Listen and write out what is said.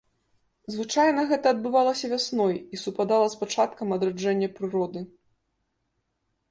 Звычайна гэта адбывалася вясной і супадала з пачаткам адраджэння прыроды.